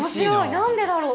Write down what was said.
何でだろう？